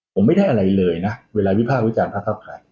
ผมไม่ได้อะไรเลยนะเวลาวิภาควิจารณภาคขาย